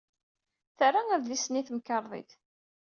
Terra adlis-nni i temkarḍit.